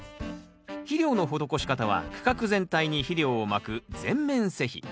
肥料の施し方は区画全体に肥料をまく全面施肥。